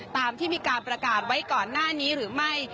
ตามที่มีการประกาศไว้ก่อนหน้านี้หรือไม่